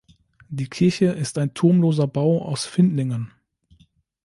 Die Kirche ist ein turmloser Bau aus Findlingen.